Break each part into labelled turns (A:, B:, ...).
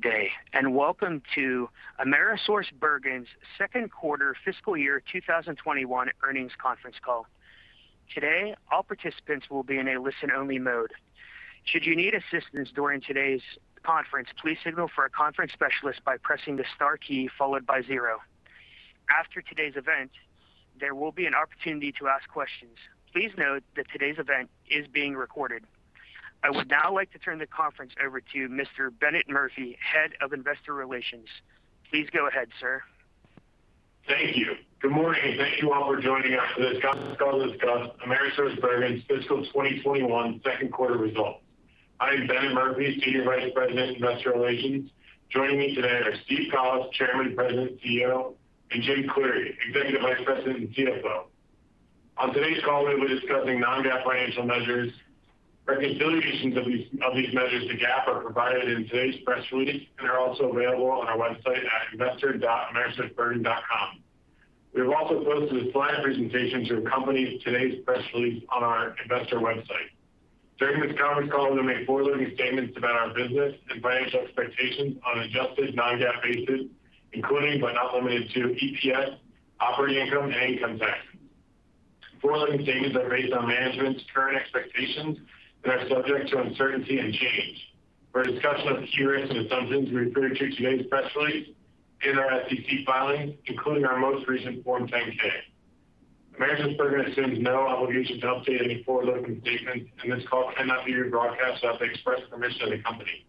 A: Good day, and welcome to AmerisourceBergen's second quarter fiscal year 2021 earnings conference call. Today, all participants will be in a listen-only mode. Should you need assistance during today's conference, please signal for a conference specialist by pressing the star key followed by zero. After today's event, there will be an opportunity to ask questions. Please note that today's event is being recorded. I would now like to turn the conference over to Mr. Bennett Murphy, Head of Investor Relations. Please go ahead, sir.
B: Thank you. Good morning, thank you all for joining us for this conference call to discuss AmerisourceBergen's fiscal 2021 second quarter results. I am Bennett Murphy, Senior Vice President, Investor Relations. Joining me today are Steve Collis, Chairman, President, CEO, and Jim Cleary, Executive Vice President and CFO. On today's call, we'll be discussing non-GAAP financial measures. Reconciliations of these measures to GAAP are provided in today's press release and are also available on our website at investor.amerisourcebergen.com. We have also posted a slide presentation to accompany today's press release on our investor website. During this conference call, we may make forward-looking statements about our business and financial expectations on an adjusted non-GAAP basis, including but not limited to EPS, operating income, and income tax. Forward-looking statements are based on management's current expectations and are subject to uncertainty and change. For a discussion of the risks and assumptions we refer you to today's press release in our SEC filings, including our most recent Form 10-K. AmerisourceBergen assumes no obligations to update any forward-looking statements, this call cannot be rebroadcast without the express permission of the company.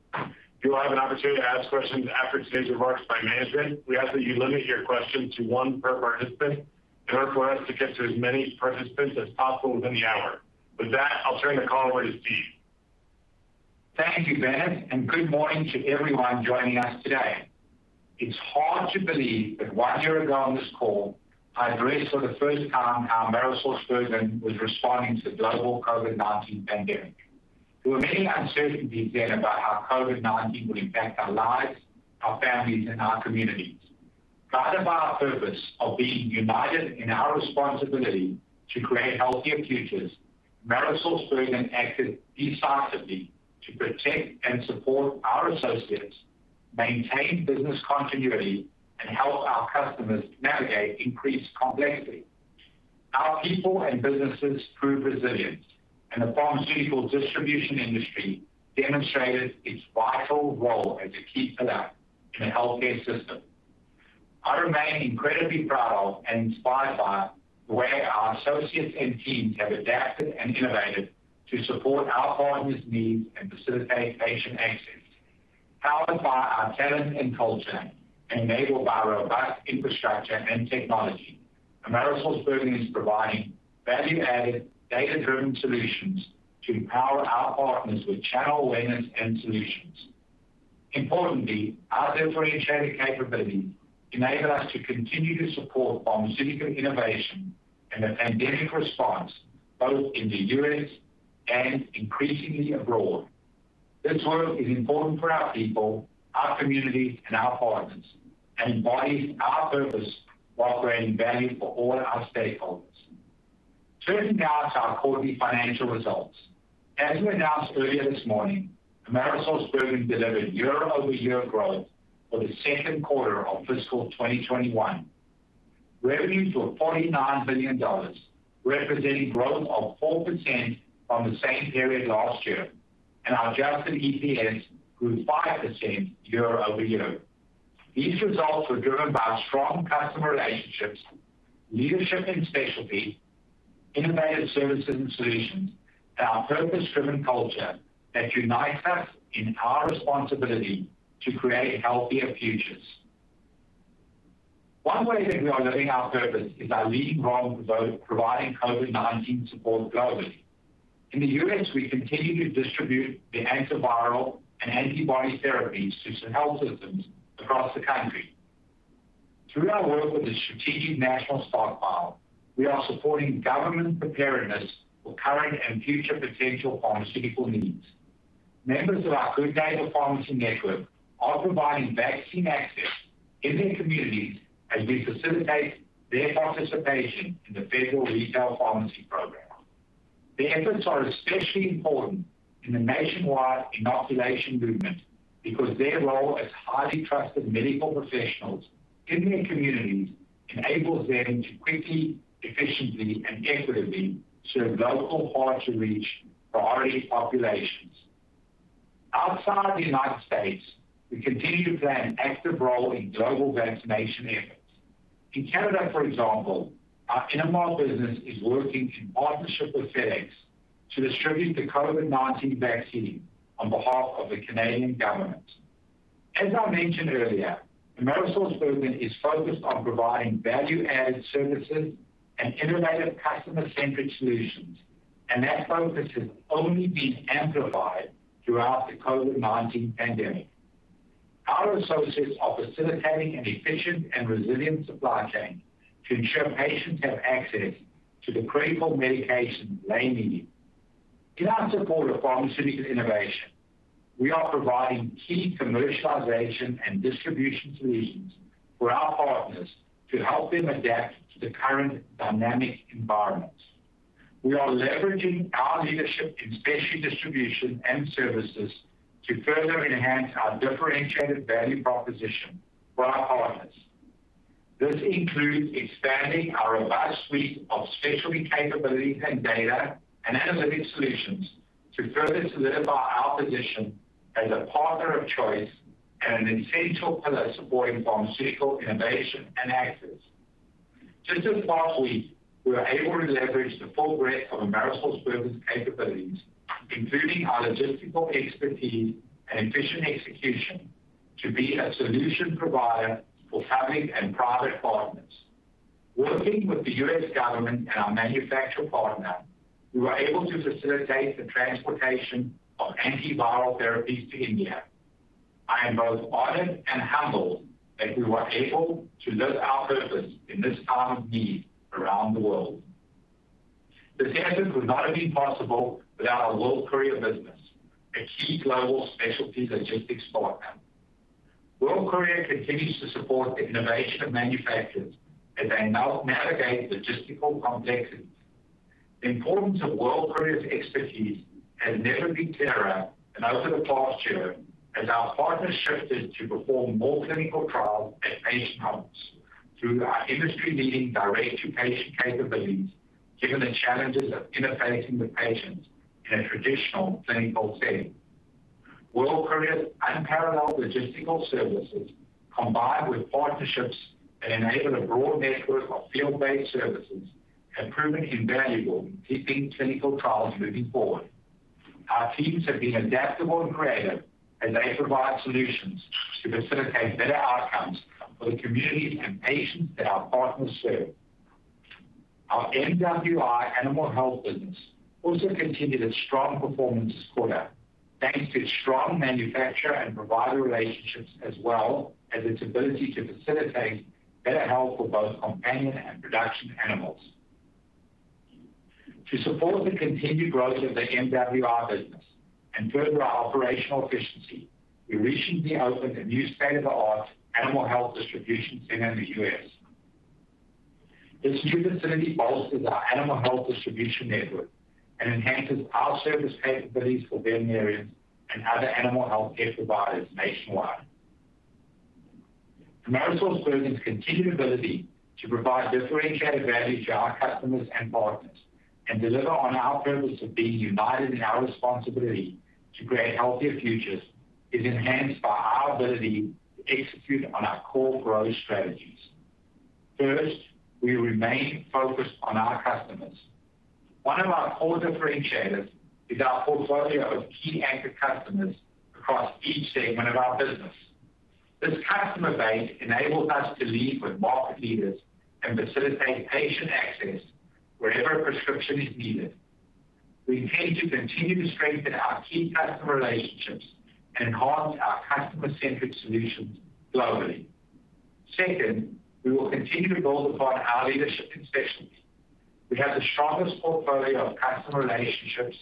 B: You will have an opportunity to ask questions after today's remarks by management. We ask that you limit your questions to one per participant in order for us to get to as many participants as possible within the hour. With that, I'll turn the call over to Steve.
C: Thank you, Bennett, good morning to everyone joining us today. It's hard to believe that one year ago on this call, I addressed for the first time how AmerisourceBergen was responding to the global COVID-19 pandemic. There were many uncertainties then about how COVID-19 would impact our lives, our families, and our communities. Guided by our purpose of being united in our responsibility to create healthier futures, AmerisourceBergen acted decisively to protect and support our associates, maintain business continuity, and help our customers navigate increased complexity. Our people and businesses proved resilient, and the pharmaceutical distribution industry demonstrated its vital role as a key pillar in the healthcare system. I remain incredibly proud of and inspired by the way our associates and teams have adapted and innovated to support our partners' needs and facilitate patient access. Powered by our talent and culture, enabled by robust infrastructure and technology, AmerisourceBergen is providing value-added, data-driven solutions to empower our partners with channel awareness and solutions. Importantly, our differentiated capability enabled us to continue to support pharmaceutical innovation and the pandemic response, both in the U.S. and increasingly abroad. This work is important for our people, our communities, and our partners, and embodies our purpose while creating value for all our stakeholders. Turning now to our quarterly financial results. As we announced earlier this morning, AmerisourceBergen delivered year-over-year growth for the second quarter of fiscal 2021. Revenues were $49 billion, representing growth of 4% from the same period last year, and our adjusted EPS grew 5% year-over-year. These results were driven by strong customer relationships, leadership in specialty, innovative services and solutions, and our purpose-driven culture that unites us in our responsibility to create healthier futures. One way that we are living our purpose is our leading role in providing COVID-19 support globally. In the U.S., we continue to distribute the antiviral and antibody therapies to some health systems across the country. Through our work with the Strategic National Stockpile, we are supporting government preparedness for current and future potential pharmaceutical needs. Members of our Good Neighbor Pharmacy network are providing vaccine access in their communities as we facilitate their participation in the Federal Retail Pharmacy Program. Their efforts are especially important in the nationwide inoculation movement because their role as highly trusted medical professionals in their communities enables them to quickly, efficiently, and equitably serve local, hard-to-reach priority populations. Outside the U.S., we continue to play an active role in global vaccination efforts. In Canada, for example, our Innomar business is working in partnership with FedEx to distribute the COVID-19 vaccine on behalf of the Canadian government. As I mentioned earlier, AmerisourceBergen is focused on providing value-added services and innovative customer-centric solutions, and that focus has only been amplified throughout the COVID-19 pandemic. Our associates are facilitating an efficient and resilient supply chain to ensure patients have access to the critical medications they need. In our support of pharmaceutical innovation, we are providing key commercialization and distribution solutions for our partners to help them adapt to the current dynamic environment. We are leveraging our leadership in specialty distribution and services to further enhance our differentiated value proposition for our partners. This includes expanding our revised suite of specialty capabilities and data and analytic solutions to further solidify our position as a partner of choice and an essential pillar supporting pharmaceutical innovation and access. Just this past week, we were able to leverage the full breadth of AmerisourceBergen's capabilities, including our logistical expertise and efficient execution to be a solution provider for public and private partners. Working with the U.S. government and our manufacturer partner, we were able to facilitate the transportation of antiviral therapies to India. I am both honored and humbled that we were able to live our purpose in this time of need around the world. This effort would not have been possible without our World Courier business, a key global specialty logistics partner. World Courier continues to support the innovation of manufacturers as they navigate logistical complexities. The importance of World Courier's expertise has never been clearer than over the past year as our partners shifted to perform more clinical trials at patient homes through our industry-leading direct-to-patient capabilities, given the challenges of interfacing with patients in a traditional clinical setting. World Courier's unparalleled logistical services, combined with partnerships that enable a broad network of field-based services, have proven invaluable in keeping clinical trials moving forward. Our teams have been adaptable and creative as they provide solutions to facilitate better outcomes for the communities and patients that our partners serve. Our MWI Animal Health business also continued its strong performance this quarter, thanks to its strong manufacturer and provider relationships as well as its ability to facilitate better health for both companion and production animals. To support the continued growth of the MWI business and further our operational efficiency, we recently opened a new state-of-the-art animal health distribution center in the U.S. This new facility bolsters our animal health distribution network and enhances our service capabilities for veterinarians and other animal healthcare providers nationwide. AmerisourceBergen's continued ability to provide differentiated value to our customers and partners and deliver on our purpose of being united in our responsibility to create healthier futures is enhanced by our ability to execute on our core growth strategies. First, we remain focused on our customers. One of our core differentiators is our portfolio of key anchor customers across each segment of our business. This customer base enables us to lead with market leaders and facilitate patient access wherever a prescription is needed. We intend to continue to strengthen our key customer relationships and enhance our customer-centric solutions globally. Second, we will continue to build upon our leadership in specialties. We have the strongest portfolio of customer relationships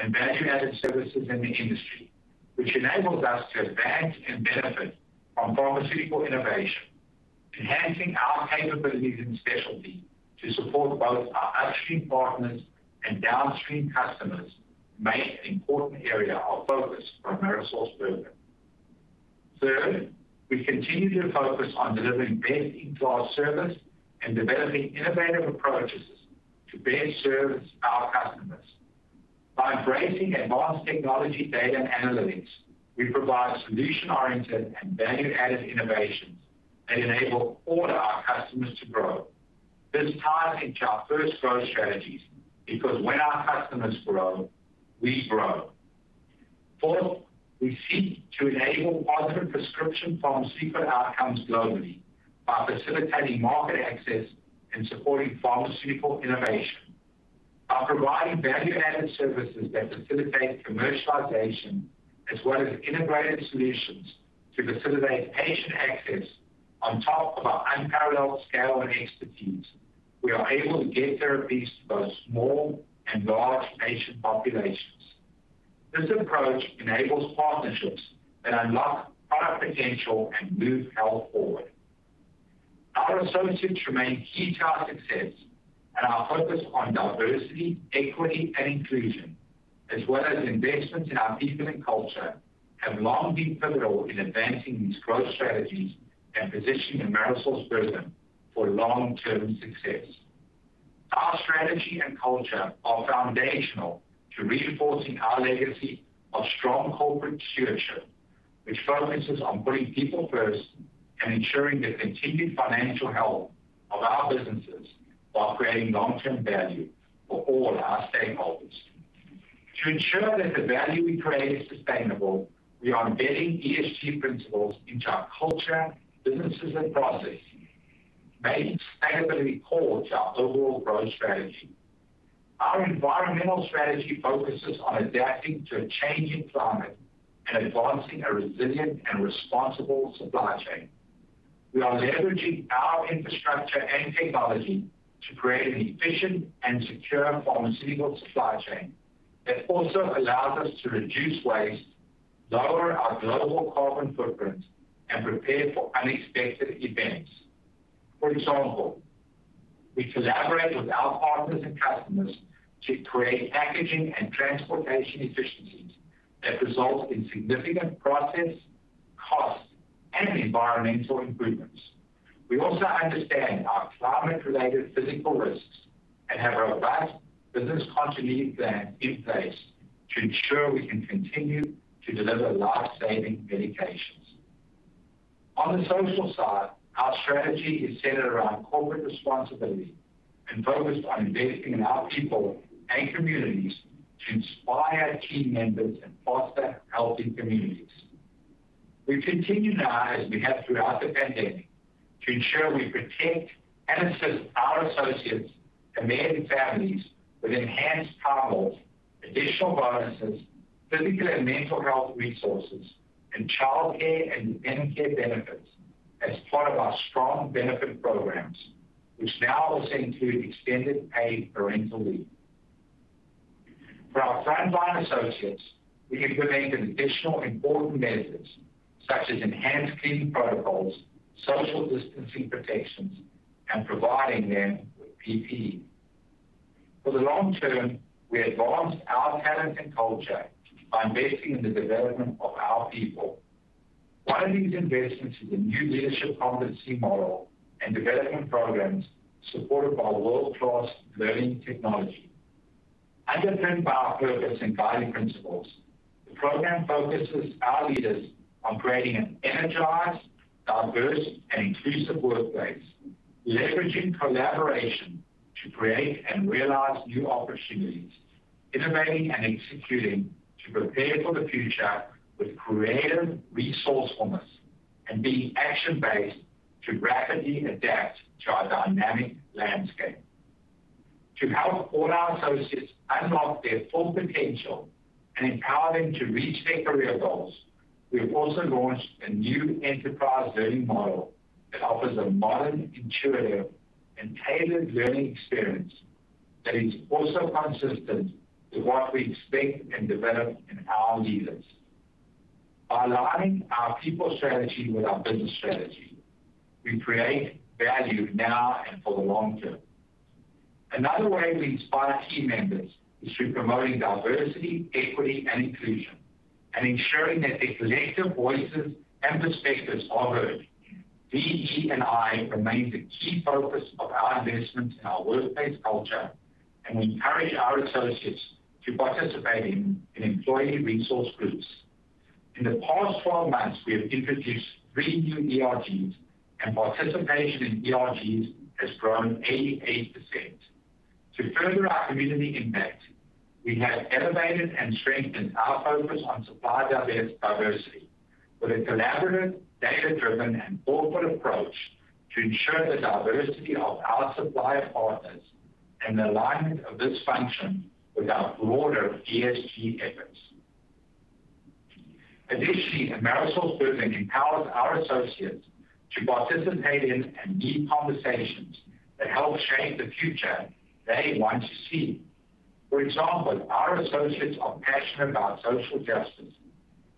C: and value-added services in the industry, which enables us to advance and benefit from pharmaceutical innovation. Enhancing our capabilities in specialty to support both our upstream partners and downstream customers remain an important area of focus for AmerisourceBergen. Third, we continue to focus on delivering best-in-class service and developing innovative approaches to best service our customers. By embracing advanced technology data and analytics, we provide solution-oriented and value-added innovations that enable all our customers to grow. This ties into our first growth strategies because when our customers grow, we grow. Fourth, we seek to enable positive prescription pharmaceutical outcomes globally by facilitating market access and supporting pharmaceutical innovation. By providing value-added services that facilitate commercialization as well as integrated solutions to facilitate patient access on top of our unparalleled scale and expertise, we are able to get therapies to both small and large patient populations. This approach enables partnerships that unlock product potential and move health forward. Our associates remain key to our success, and our focus on Diversity, Equity, and Inclusion, as well as investments in our people and culture, have long been pivotal in advancing these growth strategies and positioning AmerisourceBergen for long-term success. Our strategy and culture are foundational to reinforcing our legacy of strong corporate stewardship, which focuses on putting people first and ensuring the continued financial health of our businesses while creating long-term value for all our stakeholders. To ensure that the value we create is sustainable, we are embedding ESG principles into our culture, businesses, and processes, making sustainability core to our overall growth strategy. Our environmental strategy focuses on adapting to a changing climate and advancing a resilient and responsible supply chain. We are leveraging our infrastructure and technology to create an efficient and secure pharmaceutical supply chain that also allows us to reduce waste, lower our global carbon footprint and prepare for unexpected events. For example, we collaborate with our partners and customers to create packaging and transportation efficiencies that result in significant process, cost, and environmental improvements. We also understand our climate-related physical risks and have a robust business continuity plan in place to ensure we can continue to deliver life-saving medications. On the social side, our strategy is centered around corporate responsibility and focused on investing in our people and communities to inspire team members and foster healthy communities. We continue now, as we have throughout the pandemic, to ensure we protect and assist our associates and their families with enhanced toggles, additional bonuses, physical and mental health resources, and childcare and dependent care benefits as part of our strong benefit programs, which now also include extended paid parental leave. For our frontline associates, we implemented additional important measures such as enhanced cleaning protocols, social distancing protections, and providing them with PPE. For the long term, we advanced our talent and culture by investing in the development of our people. One of these investments is a new leadership competency model and development programs supported by world-class learning technology. Underpinned by our purpose and guiding principles, the program focuses our leaders on creating an energized, diverse, and inclusive workplace, leveraging collaboration to create and realize new opportunities, innovating and executing to prepare for the future with creative resourcefulness, and being action-based to rapidly adapt to our dynamic landscape. To help all our associates unlock their full potential and empower them to reach their career goals, we have also launched a new enterprise learning model that offers a modern, intuitive, and tailored learning experience that is also consistent with what we expect and develop in our leaders. By aligning our people strategy with our business strategy, we create value now and for the long term. Another way we inspire team members is through promoting diversity, equity, and inclusion and ensuring that their collective voices and perspectives are heard. DE&I remains a key focus of our investments in our workplace culture, and we encourage our associates to participate in employee resource groups. In the past 12 months, we have introduced three new ERGs, and participation in ERGs has grown 88%. To further our community impact, we have elevated and strengthened our focus on supplier diversity with a collaborative, data-driven, and thoughtful approach to ensure the diversity of our supplier partners and the alignment of this function with our broader ESG efforts. Additionally, AmerisourceBergen empowers our associates to participate in and lead conversations that help shape the future they want to see. For example, our associates are passionate about social justice,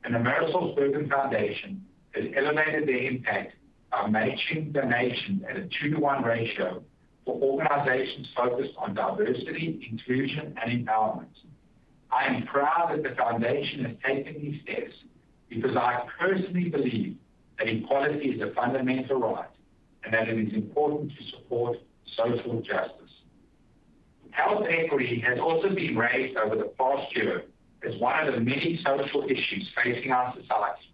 C: and the AmerisourceBergen Foundation has elevated their impact by matching donations at a 2:1 ratio for organizations focused on diversity, inclusion, and empowerment. I am proud that the Foundation has taken these steps because I personally believe that equality is a fundamental right and that it is important to support social justice. Health equity has also been raised over the past year as one of the many social issues facing our society.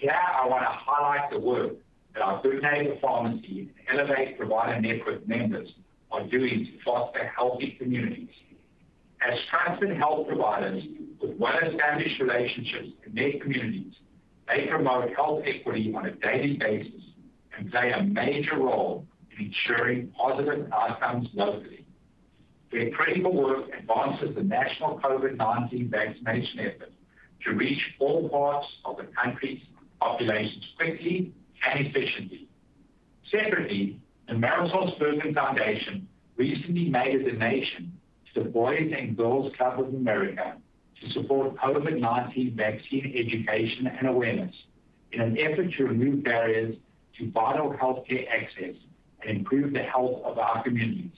C: Here I want to highlight the work that our Duane Reade Pharmacy and Elevate Provider Network members are doing to foster healthy communities. As trusted health providers with well-established relationships in their communities, they promote health equity on a daily basis and play a major role in ensuring positive outcomes locally. Their critical work advances the national COVID-19 vaccination effort to reach all parts of the country's populations quickly and efficiently. The AmerisourceBergen Foundation recently made a donation to the Boys & Girls Clubs of America to support COVID-19 vaccine education and awareness in an effort to remove barriers to vital healthcare access and improve the health of our communities.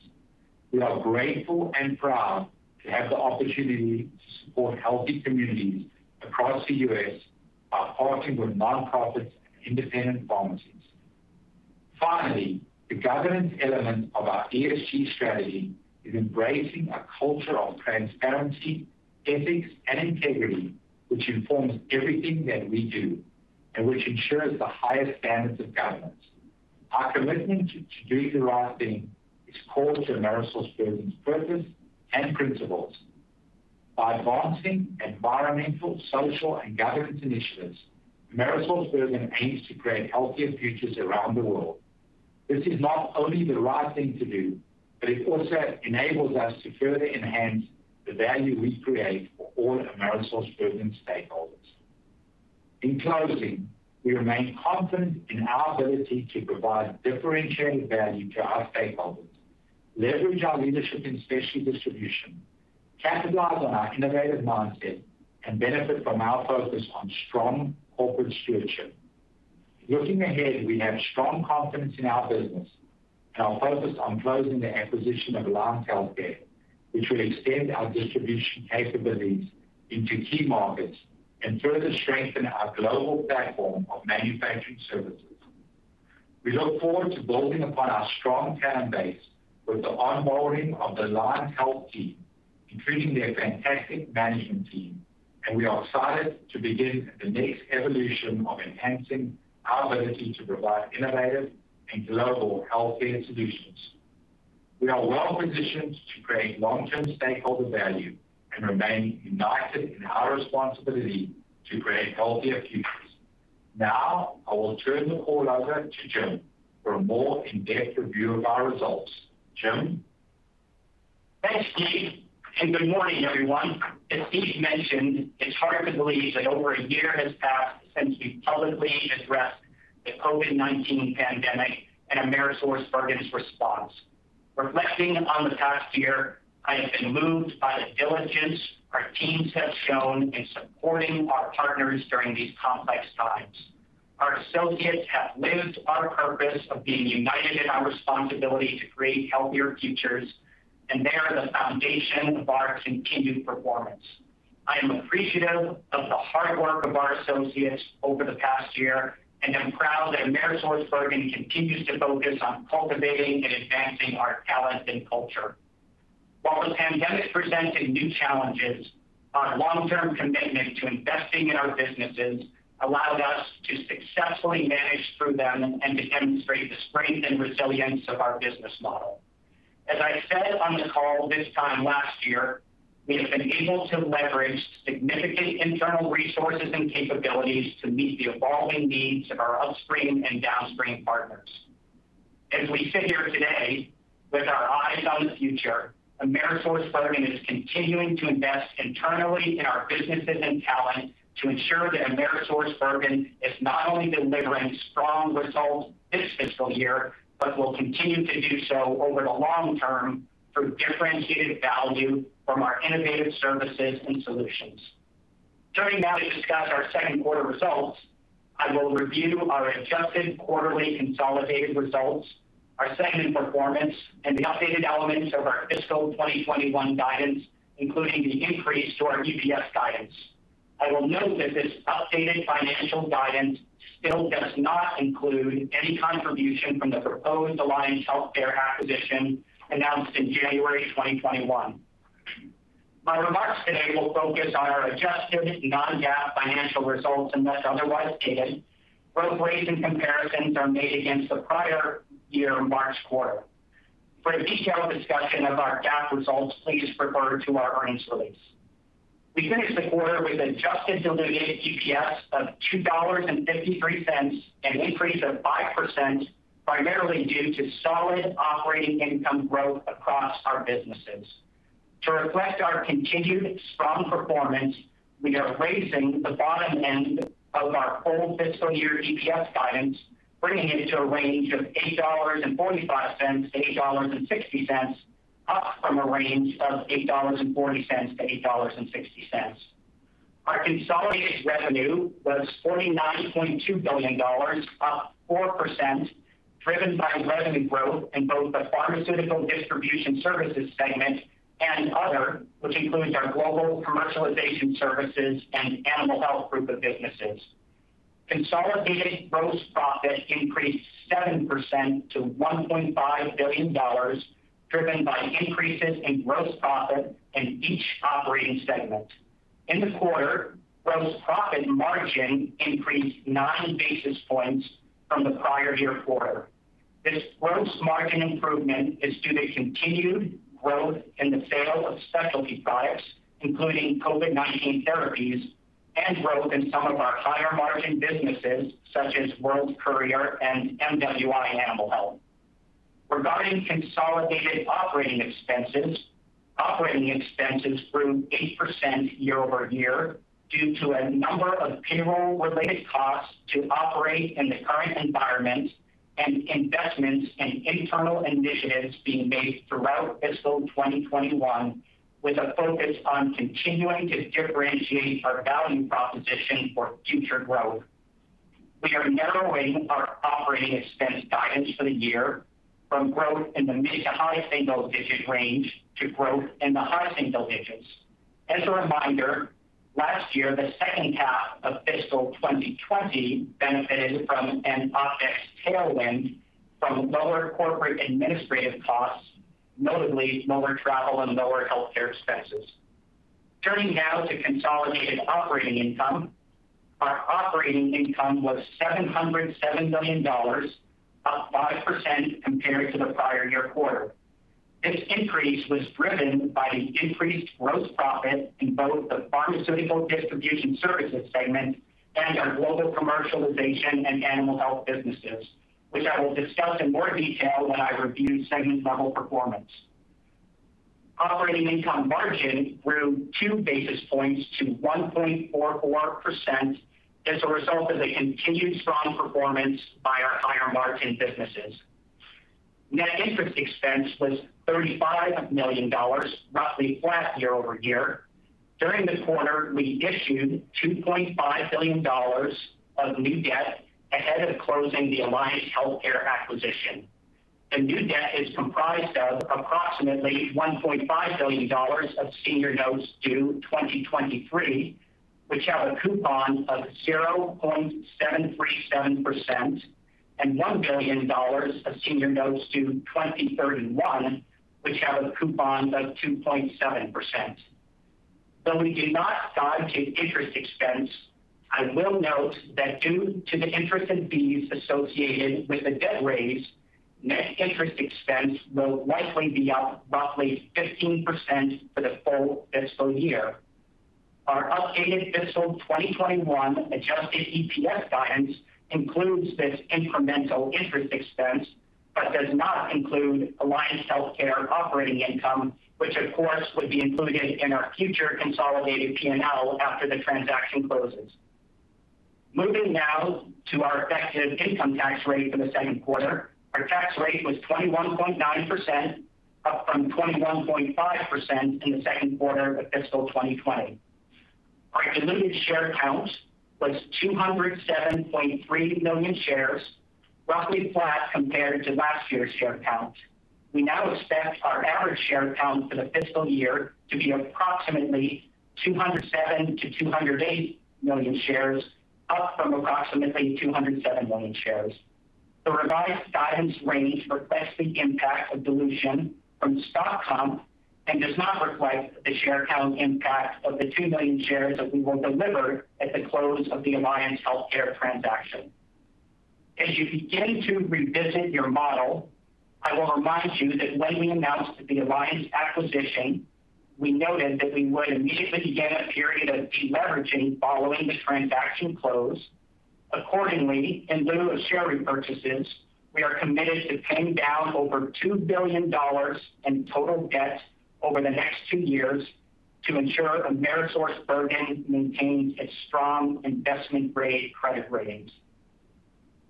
C: We are grateful and proud to have the opportunity to support healthy communities across the U.S. by partnering with nonprofits and independent pharmacies. The governance element of our ESG strategy is embracing a culture of transparency, ethics, and integrity which informs everything that we do and which ensures the highest standards of governance. Our commitment to doing the right thing is core to AmerisourceBergen's purpose and principles. By advancing environmental, social, and governance initiatives, AmerisourceBergen aims to create healthier futures around the world. This is not only the right thing to do, but it also enables us to further enhance the value we create for all AmerisourceBergen stakeholders. In closing, we remain confident in our ability to provide differentiated value to our stakeholders, leverage our leadership in specialty distribution, capitalize on our innovative mindset, and benefit from our focus on strong corporate stewardship. Looking ahead, we have strong confidence in our business and our focus on closing the acquisition of Alliance Healthcare, which will extend our distribution capabilities into key markets and further strengthen our global platform of manufacturing services. We look forward to building upon our strong talent base with the onboarding of the Alliance Healthcare team, including their fantastic management team, and we are excited to begin the next evolution of enhancing our ability to provide innovative and global healthcare solutions. We are well-positioned to create long-term stakeholder value and remain united in our responsibility to create healthier futures. Now, I will turn the call over to Jim for a more in-depth review of our results. Jim?
D: Thanks, Steve, and good morning, everyone. As Steve mentioned, it's hard to believe that over a year has passed since we publicly addressed the COVID-19 pandemic and AmerisourceBergen's response. Reflecting on the past year, I have been moved by the diligence our teams have shown in supporting our partners during these complex times. Our associates have lived our purpose of being united in our responsibility to create healthier futures, and they are the foundation of our continued performance. I am appreciative of the hard work of our associates over the past year, and am proud that AmerisourceBergen continues to focus on cultivating and advancing our talent and culture. While the pandemic presented new challenges, our long-term commitment to investing in our businesses allowed us to successfully manage through them and to demonstrate the strength and resilience of our business model. As I said on the call this time last year, we have been able to leverage significant internal resources and capabilities to meet the evolving needs of our upstream and downstream partners. As we sit here today with our eyes on the future, AmerisourceBergen is continuing to invest internally in our businesses and talent to ensure that AmerisourceBergen is not only delivering strong results this fiscal year, but will continue to do so over the long term through differentiated value from our innovative services and solutions. Turning now to discuss our second quarter results, I will review our adjusted quarterly consolidated results, our segment performance, and the updated elements of our fiscal 2021 guidance, including the increase to our EPS guidance. I will note that this updated financial guidance still does not include any contribution from the proposed Alliance Healthcare acquisition announced in January 2021. My remarks today will focus on our adjusted non-GAAP financial results unless otherwise stated. Growth rates and comparisons are made against the prior year March quarter. For a detailed discussion of our GAAP results, please refer to our earnings release. We finished the quarter with adjusted diluted EPS of $2.53, an increase of 5%, primarily due to solid operating income growth across our businesses. To reflect our continued strong performance, we are raising the bottom end of our full fiscal year EPS guidance, bringing it into a range of $8.45-$8.60, up from a range of $8.40-$8.60. Our consolidated revenue was $49.2 billion, up 4%, driven by revenue growth in both the Pharmaceutical Distribution Services segment and Other, which includes our Global Commercialization Services and Animal Health group of businesses. Consolidated gross profit increased 7% to $1.5 billion, driven by increases in gross profit in each operating segment. In the quarter, gross profit margin increased nine basis points from the prior year quarter. This gross margin improvement is due to continued growth in the sale of specialty products, including COVID-19 therapies, and growth in some of our higher-margin businesses, such as World Courier and MWI Animal Health. Regarding consolidated operating expenses, operating expenses grew 8% year-over-year due to a number of payroll-related costs to operate in the current environment and investments in internal initiatives being made throughout fiscal 2021, with a focus on continuing to differentiate our value proposition for future growth. We are narrowing our operating expense guidance for the year from growth in the mid to high single-digit range to growth in the high single digits. As a reminder, last year, the second half of fiscal 2020 benefited from an OpEx tailwind from lower corporate administrative costs, notably lower travel and lower healthcare expenses. Turning now to consolidated operating income, our operating income was $707 million, up 5% compared to the prior year quarter. This increase was driven by the increased gross profit in both the Pharmaceutical Distribution Services segment and our Global Commercialization and Animal Health businesses, which I will discuss in more detail when I review segment-level performance. Operating income margin grew two basis points to 1.44% as a result of the continued strong performance by our higher-margin businesses. Net interest expense was $35 million, roughly flat year-over-year. During the quarter, we issued $2.5 billion of new debt ahead of closing the Alliance Healthcare acquisition. The new debt is comprised of approximately $1.5 billion of senior notes due 2023, which have a coupon of 0.737%, and $1 billion of senior notes due 2031, which have a coupon of 2.7%. Though we do not guide to interest expense, I will note that due to the interest and fees associated with the debt raise, net interest expense will likely be up roughly 15% for the full fiscal year. Our updated fiscal 2021 adjusted EPS guidance includes this incremental interest expense but does not include Alliance Healthcare operating income, which of course, would be included in our future consolidated P&L after the transaction closes. Moving now to our effective income tax rate for the second quarter. Our tax rate was 21.9%, up from 21.5% in the second quarter of fiscal 2020. Our diluted share count was 207.3 million shares, roughly flat compared to last year's share count. We now expect our average share count for the fiscal year to be approximately 207 million-208 million shares, up from approximately 207 million shares. The revised guidance range reflects the impact of dilution from stock comp and does not reflect the share count impact of the 2 million shares that we will deliver at the close of the Alliance Healthcare transaction. As you begin to revisit your model, I will remind you that when we announced the Alliance acquisition, we noted that we would immediately begin a period of de-leveraging following the transaction close. Accordingly, in lieu of share repurchases, we are committed to paying down over $2 billion in total debt over the next two years to ensure AmerisourceBergen maintains its strong investment-grade credit ratings.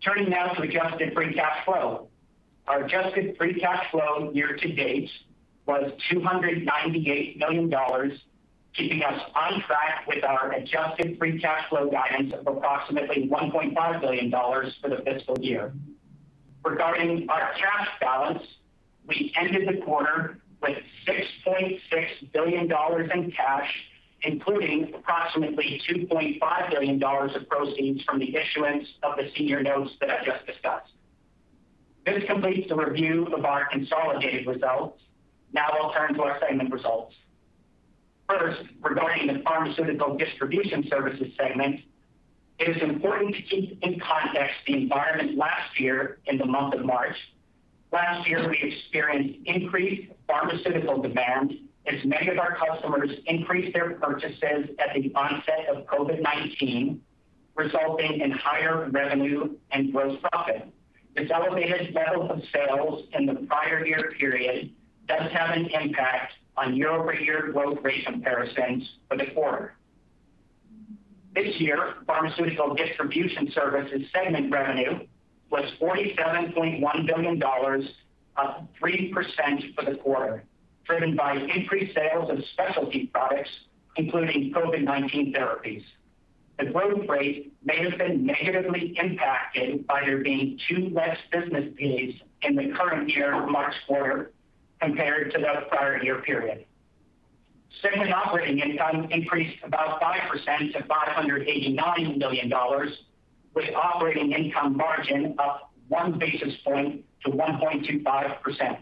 D: Turning now to adjusted free cash flow. Our adjusted free cash flow year to date was $298 million, keeping us on track with our adjusted free cash flow guidance of approximately $1.5 billion for the fiscal year. Regarding our cash balance, we ended the quarter with $6.6 billion in cash, including approximately $2.5 billion of proceeds from the issuance of the senior notes that I just discussed. This completes the review of our consolidated results. Now I'll turn to our segment results. First, regarding the Pharmaceutical Distribution Services segment, it is important to keep in context the environment last year in the month of March. Last year, we experienced increased pharmaceutical demand as many of our customers increased their purchases at the onset of COVID-19, resulting in higher revenue and gross profit. This elevated level of sales in the prior year period does have an impact on year-over-year growth rate comparisons for the quarter. This year, Pharmaceutical Distribution Services segment revenue was $47.1 billion, up 3% for the quarter, driven by increased sales of specialty products, including COVID-19 therapies. The growth rate may have been negatively impacted by there being two less business days in the current year March quarter compared to the prior year period. Segment operating income increased about 5% to $589 million with operating income margin up one basis point to 1.25%.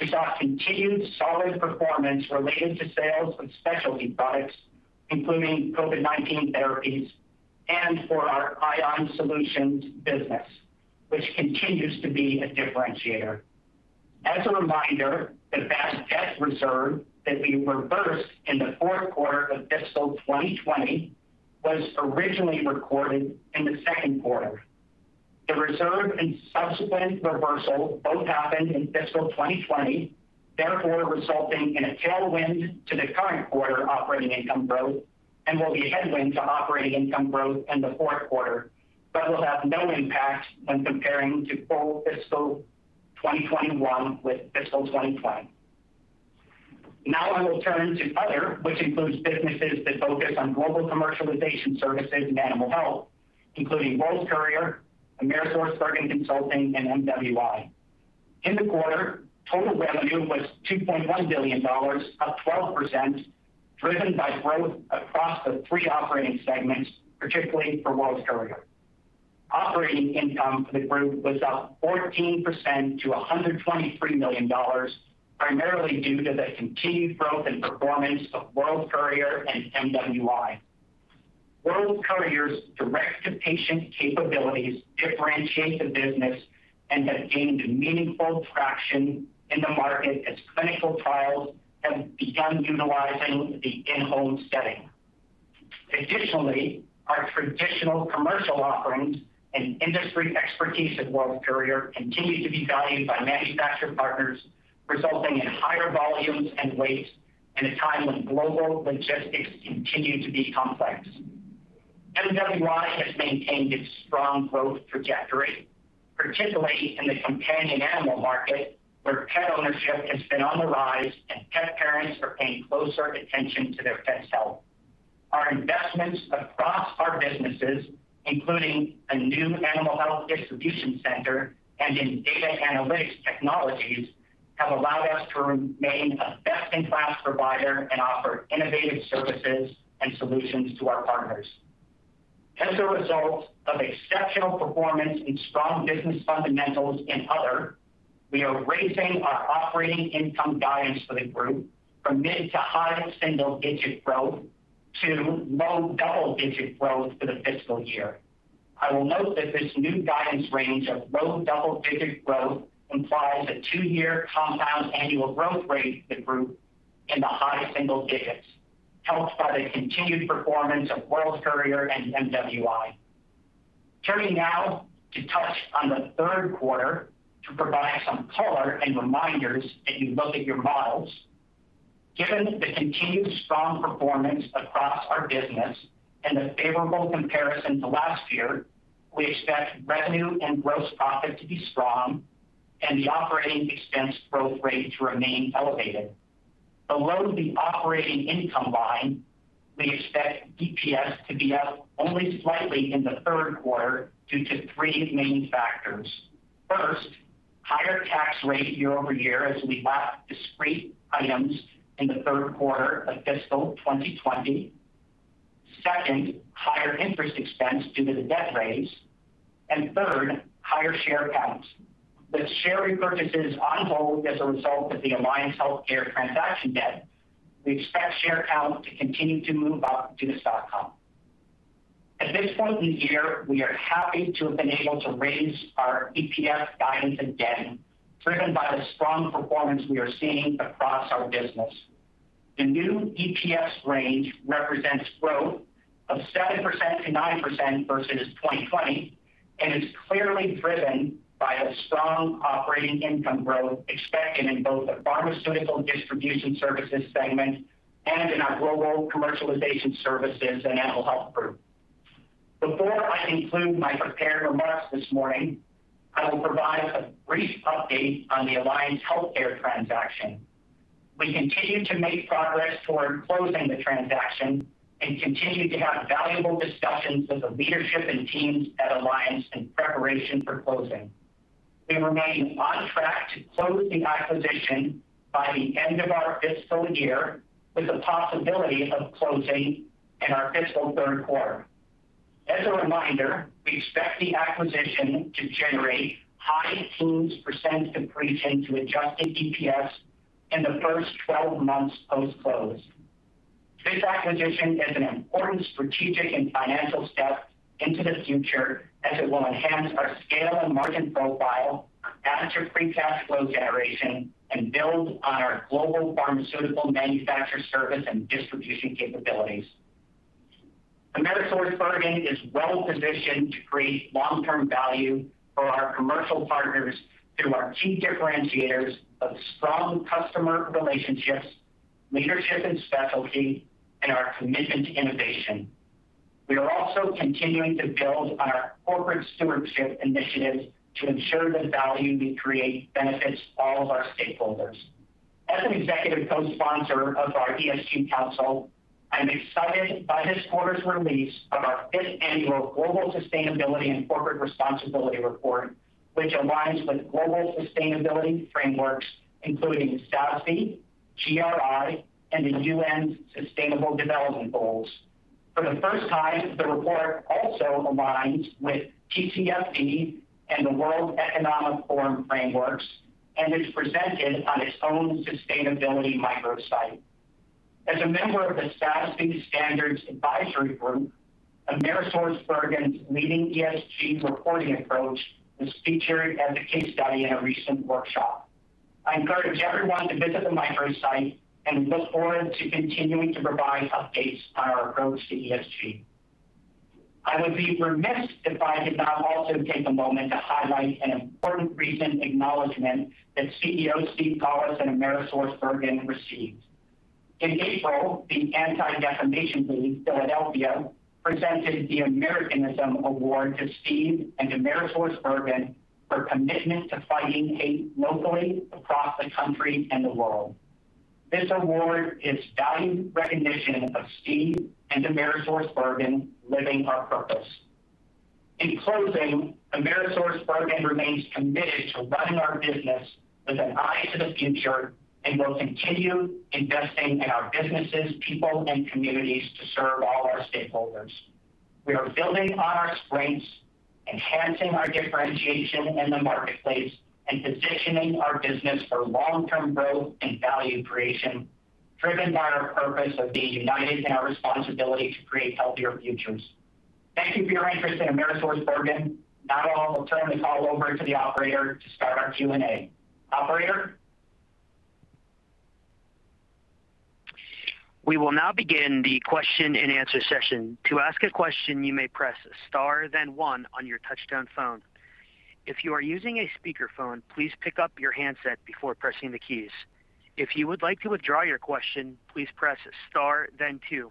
D: We saw continued solid performance related to sales of specialty products, including COVID-19 therapies, and for our ION Solutions business, which continues to be a differentiator. As a reminder, the bad debt reserve that we reversed in the fourth quarter of fiscal 2020 was originally recorded in the second quarter. The reserve and subsequent reversal both happened in fiscal 2020, therefore resulting in a tailwind to the current quarter operating income growth and will be a headwind to operating income growth in the fourth quarter, but will have no impact when comparing to full fiscal 2021 with fiscal 2020. Now I will turn to other, which includes businesses that focus on Global Commercialization Services and Animal Health, including World Courier, AmerisourceBergen Consulting, and MWI. In the quarter, total revenue was $2.1 billion, up 12%, driven by growth across the three operating segments, particularly for World Courier. Operating income for the group was up 14% to $123 million, primarily due to the continued growth and performance of World Courier and MWI. World Courier's direct-to-patient capabilities differentiate the business and have gained meaningful traction in the market as clinical trials have begun utilizing the in-home setting. Additionally, our traditional commercial offerings and industry expertise at World Courier continue to be valued by manufacturer partners, resulting in higher volumes and weight in a time when global logistics continue to be complex. MWI has maintained its strong growth trajectory, particularly in the companion animal market, where pet ownership has been on the rise and pet parents are paying closer attention to their pets' health. Our investments across our businesses, including a new Animal Health distribution center and in data analytics technologies, have allowed us to remain a best-in-class provider and offer innovative services and solutions to our partners. As a result of exceptional performance and strong business fundamentals in Other, we are raising our operating income guidance for the group from mid to high single-digit growth to low double-digit growth for the fiscal year. I will note that this new guidance range of low double-digit growth implies a two year compound annual growth rate for the group in the high single digits, helped by the continued performance of World Courier and MWI. Turning now to touch on the third quarter to provide some color and reminders as you look at your models. Given the continued strong performance across our business and the favorable comparison to last year, we expect revenue and gross profit to be strong and the operating expense growth rate to remain elevated. Below the operating income line, we expect EPS to be up only slightly in the third quarter due to three main factors. First, higher tax rate year-over-year as we lap discrete items in the third quarter of fiscal 2020. Second, higher interest expense due to the debt raise. Third, higher share count. With share repurchases on hold as a result of the Alliance Healthcare transaction debt, we expect share count to continue to move up due to stock comp. At this point in the year, we are happy to have been able to raise our EPS guidance again, driven by the strong performance we are seeing across our business. The new EPS range represents growth of 7%-9% versus 2020, and is clearly driven by a strong operating income growth expected in both the Pharmaceutical Distribution Services segment and in our Global Commercialization Services and Animal Health group. Before I conclude my prepared remarks this morning, I will provide a brief update on the Alliance Healthcare transaction. We continue to make progress toward closing the transaction and continue to have valuable discussions with the leadership and teams at Alliance in preparation for closing. We remain on track to close the acquisition by the end of our fiscal year, with the possibility of closing in our fiscal third quarter. As a reminder, we expect the acquisition to generate high teens% accretion to adjusted EPS in the first 12-months post-close. This acquisition is an important strategic and financial step into the future as it will enhance our scale and margin profile, add to free cash flow generation, and build on our global pharmaceutical manufacturer service and distribution capabilities. AmerisourceBergen is well-positioned to create long-term value for our commercial partners through our key differentiators of strong customer relationships, leadership and specialty, and our commitment to innovation. We are also continuing to build on our corporate stewardship initiatives to ensure the value we create benefits all of our stakeholders. As an executive co-sponsor of our ESG Council, I'm excited by this quarter's release of our fifth annual Global Sustainability and Corporate Responsibility Report, which aligns with global sustainability frameworks, including SASB, GRI, and the UN's Sustainable Development Goals. For the first time, the report also aligns with TCFD and the World Economic Forum frameworks and is presented on its own sustainability microsite. As a member of the SASB Standards Advisory Group, AmerisourceBergen's leading ESG reporting approach was featured as a case study in a recent workshop. I encourage everyone to visit the microsite and look forward to continuing to provide updates on our approach to ESG. I would be remiss if I did not also take a moment to highlight an important recent acknowledgment that CEO Steve Collis and AmerisourceBergen received. In April, the Anti-Defamation League Philadelphia presented the Americanism Award to Steve and AmerisourceBergen for commitment to fighting hate locally, across the country, and the world. This award is valued recognition of Steve and AmerisourceBergen living our purpose. In closing, AmerisourceBergen remains committed to running our business with an eye to the future and will continue investing in our businesses, people, and communities to serve all our stakeholders. We are building on our strengths, enhancing our differentiation in the marketplace, and positioning our business for long-term growth and value creation, driven by our purpose of being united in our responsibility to create healthier futures. Thank you for your interest in AmerisourceBergen. Now I will turn the call over to the operator to start our Q&A. Operator?
A: We will now begin the question-and-answer session. To ask a question, you may press star then one on your touchtone phone. If you are using a speakerphone, please pick up your handset before pressing the keys. If you would like to withdraw your question, please press star then two.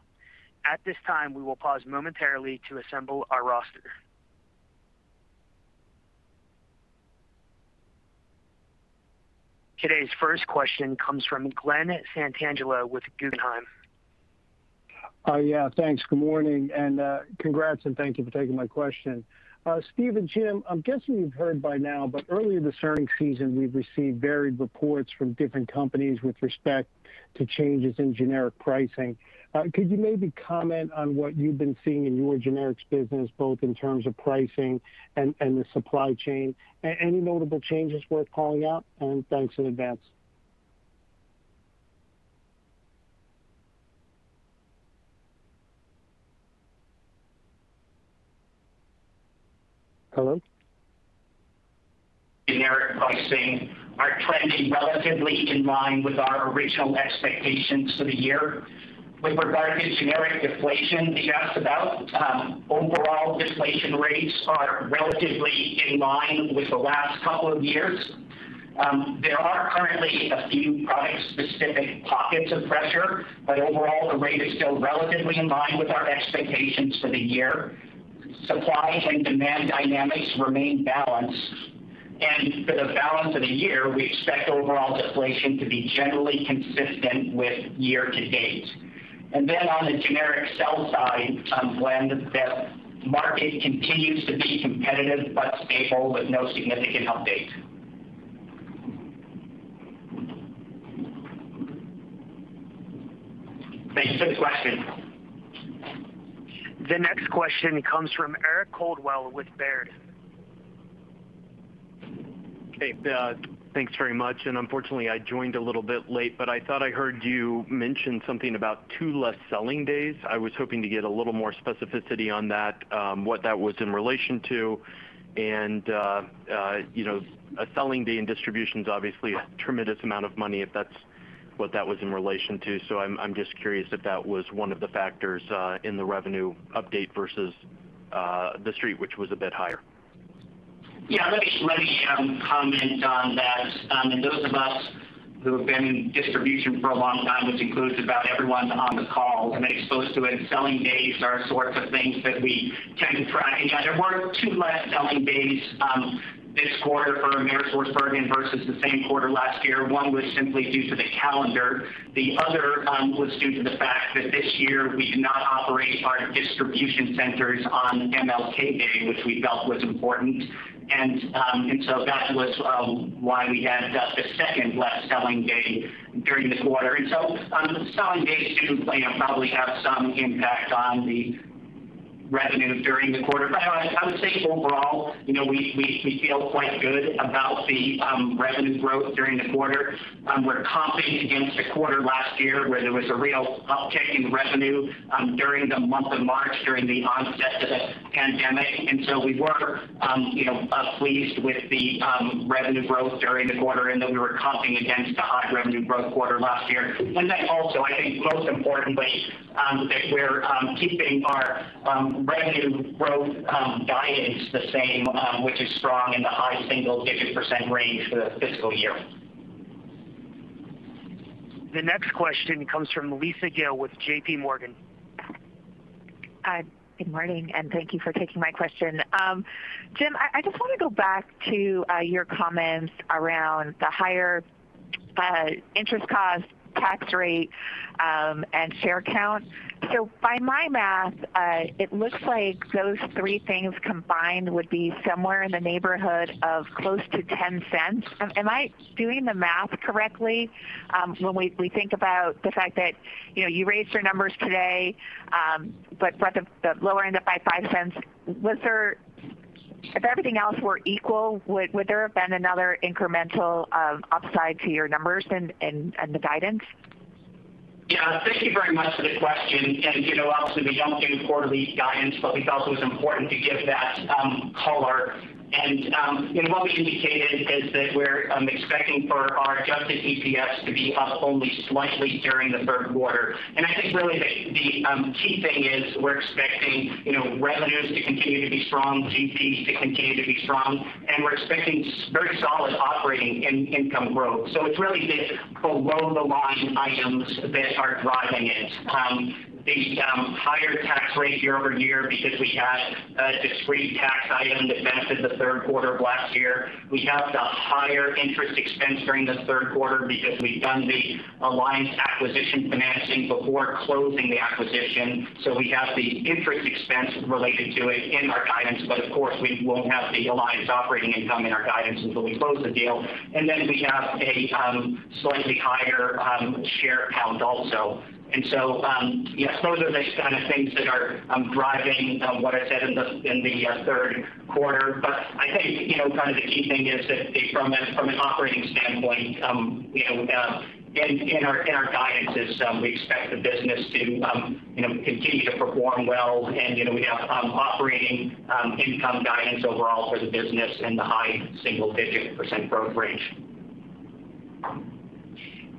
A: At this time, we will pause momentarily to assemble our roster. Today's first question comes from Glen Santangelo with Guggenheim.
E: Yeah, thanks. Good morning, and congrats, and thank you for taking my question. Steve and Jim, I'm guessing you've heard by now, but early in the earnings season, we've received varied reports from different companies with respect to changes in generic pricing. Could you maybe comment on what you've been seeing in your generics business, both in terms of pricing and the supply chain? Any notable changes worth calling out? Thanks in advance. Hello?
D: Generic pricing are trending relatively in line with our original expectations for the year. With regard to generic deflation that you asked about, overall deflation rates are relatively in line with the last couple of years. There are currently a few product-specific pockets of pressure, but overall, the rate is still relatively in line with our expectations for the year. Supply and demand dynamics remain balanced, and for the balance of the year, we expect overall deflation to be generally consistent with year to date. On the generic sell side, Glen, the market continues to be competitive but stable with no significant update. Thanks for the question.
A: The next question comes from Eric Coldwell with Baird.
F: Hey. Thanks very much. Unfortunately, I joined a little bit late, but I thought I heard you mention something about two less selling days. I was hoping to get a little more specificity on that, what that was in relation to. A selling day in distribution's obviously a tremendous amount of money, if that's what that was in relation to. I'm just curious if that was one of the factors in the revenue update versus The Street, which was a bit higher.
D: Let me comment on that. Those of us who have been in distribution for a long time, which includes about everyone on the call, and been exposed to it, selling days are sorts of things that we tend to track. There were two less selling days this quarter for AmerisourceBergen versus the same quarter last year. One was simply due to the calendar. The other was due to the fact that this year we did not operate our distribution centers on MLK Day, which we felt was important. That was why we had the second less selling day during the quarter. Selling days do play and probably have some impact on the revenue during the quarter. I would say overall, we feel quite good about the revenue growth during the quarter. We're comping against a quarter last year where there was a real uptick in revenue during the month of March, during the onset of the pandemic. We were pleased with the revenue growth during the quarter and that we were comping against a high revenue growth quarter last year. I think most importantly, that we're keeping our revenue growth guidance the same, which is strong in the high single-digit percent range for the fiscal year.
A: The next question comes from Lisa Gill with JPMorgan.
G: Hi. Good morning, and thank you for taking my question. Jim, I just want to go back to your comments around the higher interest cost, tax rate, and share count. By my math, it looks like those three things combined would be somewhere in the neighborhood of close to $0.10. Am I doing the math correctly? When we think about the fact that you raised your numbers today, but for the lower end up by $0.05. If everything else were equal, would there have been another incremental upside to your numbers and the guidance?
D: Yeah. Thank you very much for the question. Obviously we don't do quarterly guidance, but we felt it was important to give that color. What we indicated is that we're expecting for our adjusted EPS to be up only slightly during the third quarter. I think really the key thing is we're expecting revenues to continue to be strong, GPs to continue to be strong, and we're expecting very solid operating income growth. It's really the below-the-line items that are driving it. The higher tax rate year-over-year because we had a discrete tax item that benefited the third quarter of last year. We have the higher interest expense during the third quarter because we've done the Alliance acquisition financing before closing the acquisition. We have the interest expense related to it in our guidance, but of course, we won't have the Alliance operating income in our guidance until we close the deal. Then we have a slightly higher share count also. Yes, those are the kind of things that are driving what I said in the third quarter. I think kind of the key thing is that from an operating standpoint, in our guidance is we expect the business to continue to perform well. We have operating income guidance overall for the business in the high single-digit percent growth range.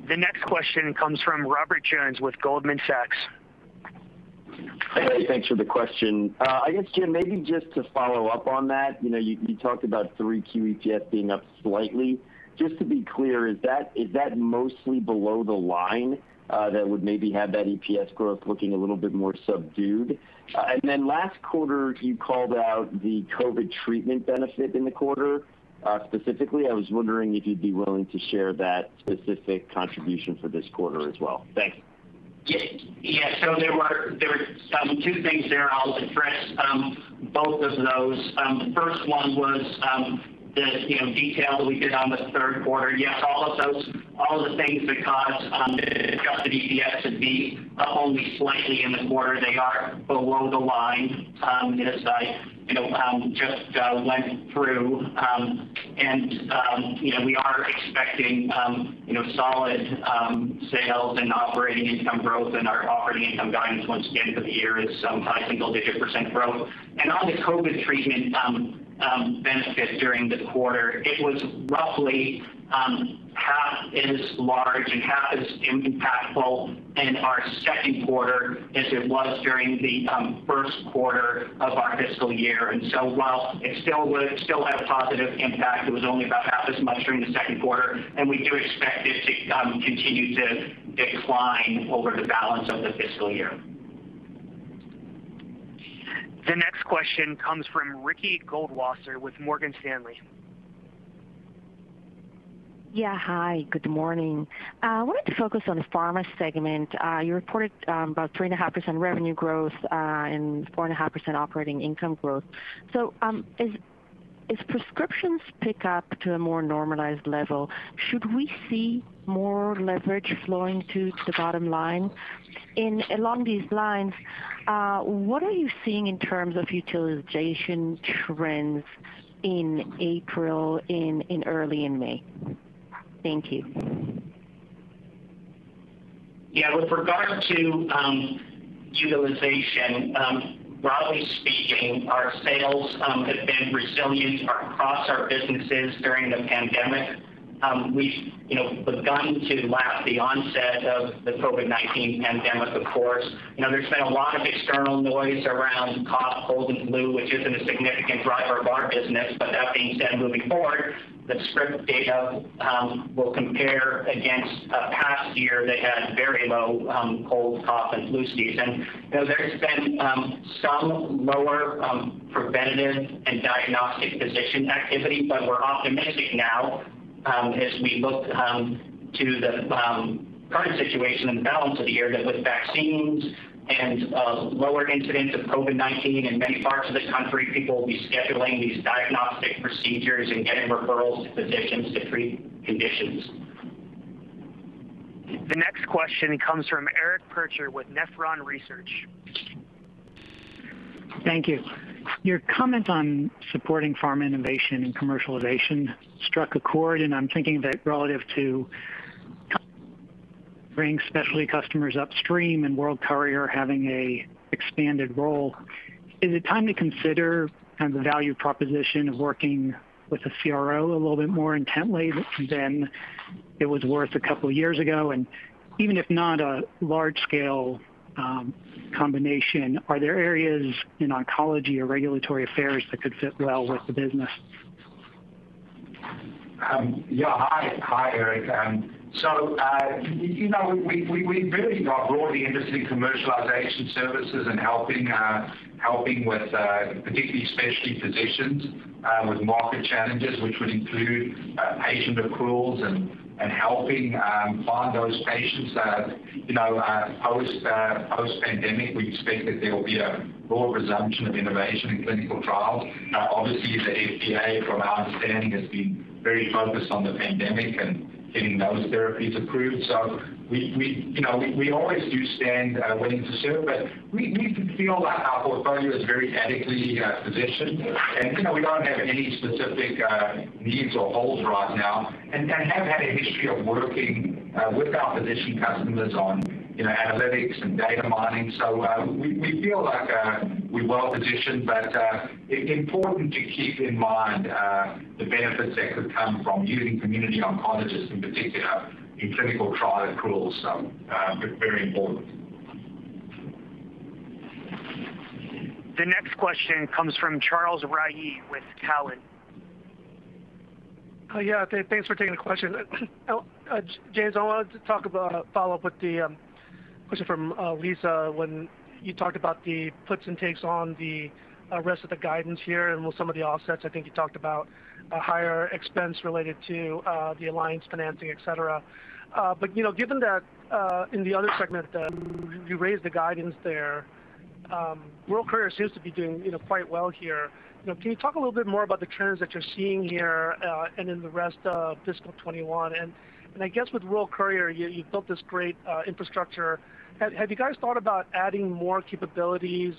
A: The next question comes from Robert Jones with Goldman Sachs.
H: Hey. Thanks for the question. I guess, Jim, maybe just to follow up on that, you talked about 3Q EPS being up slightly. Just to be clear, is that mostly below the line that would maybe have that EPS growth looking a little bit more subdued? Then last quarter, you called out the COVID treatment benefit in the quarter. Specifically, I was wondering if you'd be willing to share that specific contribution for this quarter as well. Thanks.
D: Yeah. There were two things there. I'll address both of those. The first one was the detail that we did on the third quarter. Yes, all of the things that caused the adjusted EPS to be only slightly in the quarter, they are below the line, as I just went through. We are expecting solid sales and operating income growth, and our operating income guidance once again for the year is high single-digit growth. On the COVID treatment benefit during the quarter, it was roughly half as large and half as impactful in our second quarter as it was during the first quarter of our fiscal year. While it still had a positive impact, it was only about half as much during the second quarter, and we do expect it to continue to decline over the balance of the fiscal year.
A: The next question comes from Ricky Goldwasser with Morgan Stanley.
I: Hi, good morning. I wanted to focus on the pharma segment. You reported about 3.5% revenue growth and 4.5% operating income growth. As prescriptions pick up to a more normalized level, should we see more leverage flowing to the bottom line? Along these lines, what are you seeing in terms of utilization trends in April and early in May? Thank you.
D: Yeah. With regard to utilization, broadly speaking, our sales have been resilient across our businesses during the COVID-19 pandemic. We've begun to lap the onset of the COVID-19 pandemic, of course. There's been a lot of external noise around cough, cold, and flu, which isn't a significant driver of our business. That being said, moving forward, the script data will compare against a past year that had very low cold, cough, and flu season. There's been some lower preventative and diagnostic physician activity, but we're optimistic now as we look to the current situation and balance of the year, that with vaccines and lower incidence of COVID-19 in many parts of the country, people will be scheduling these diagnostic procedures and getting referrals to physicians to treat conditions.
A: The next question comes from Eric Percher with Nephron Research.
J: Thank you. Your comment on supporting pharma innovation and commercialization struck a chord, and I'm thinking that relative to bring specialty customers upstream and World Courier having a expanded role. Is it time to consider the value proposition of working with a CRO a little bit more intently than it was worth a couple of years ago? Even if not a large-scale combination, are there areas in oncology or regulatory affairs that could fit well with the business?
C: Yeah. Hi, Eric. We've really got broadly interested in commercialization services and helping with, particularly specialty physicians with market challenges, which would include patient approvals and helping find those patients that post-pandemic, we expect that there will be a broad resumption of innovation in clinical trials. Obviously, the FDA, from our understanding, has been very focused on the pandemic and getting those therapies approved. We always do stand waiting to serve, but we feel that our portfolio is very adequately positioned. We don't have any specific needs or holes right now, and have had a history of working with our physician customers on analytics and data mining. We feel like we're well-positioned, but important to keep in mind the benefits that could come from using community oncologists, in particular, in clinical trial approvals. Very important.
A: The next question comes from Charles Rhyee with TD Cowen.
K: Yeah. Thanks for taking the question. James, I wanted to follow up with the question from Lisa when you talked about the puts and takes on the rest of the guidance here and with some of the offsets. I think you talked about a higher expense related to the Alliance financing, et cetera. Given that in the other segment that you raised the guidance there, World Courier seems to be doing quite well here. Can you talk a little bit more about the trends that you're seeing here and in the rest of fiscal 2021? I guess with World Courier, you built this great infrastructure. Have you guys thought about adding more capabilities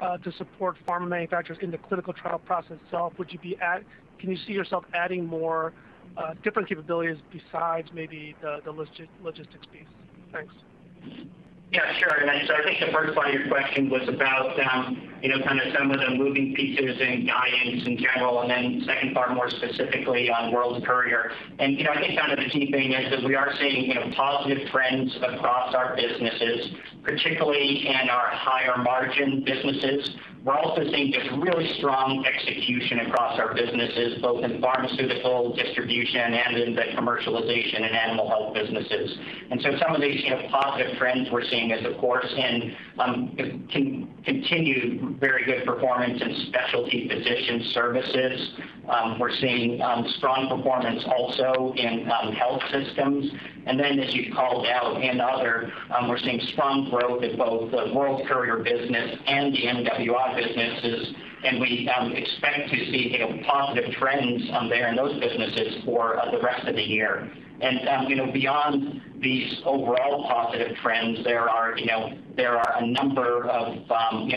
K: to support pharma manufacturers in the clinical trial process itself? Can you see yourself adding more different capabilities besides maybe the logistics piece? Thanks.
D: Yeah, sure. I think the first part of your question was broke down kind of some of the moving pieces and guidance in general, then second part more specifically on World Courier. I think the key thing is that we are seeing positive trends across our businesses, particularly in our higher margin businesses. We're also seeing just really strong execution across our businesses, both in pharmaceutical distribution and in the commercialization and animal health businesses. Some of these positive trends we're seeing is, of course, in continued very good performance in specialty physician services. We're seeing strong performance also in health systems. Then as you called out, in other, we're seeing strong growth in both the World Courier business and the MWI businesses, and we expect to see positive trends there in those businesses for the rest of the year. Beyond these overall positive trends, there are a number of